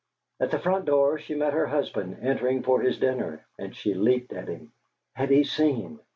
At the front door she met her husband, entering for his dinner, and she leaped at him. Had he seen?